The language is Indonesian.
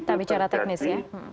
tapi secara teknis ya